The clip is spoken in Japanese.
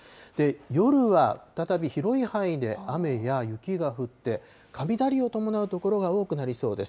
夜は再び広い範囲で、雨や雪が降って、雷を伴う所が多くなりそうです。